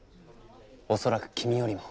恐らく君よりも。